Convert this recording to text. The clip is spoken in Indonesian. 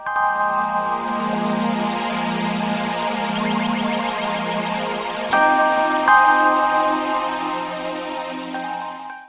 membalikkan mv kampung